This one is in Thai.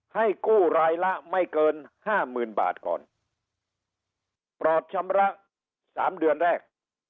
ให้กู้รายละไม่เกิน๕๐๐๐๐บาทก่อนปรอดชำระ๓เดือนแรก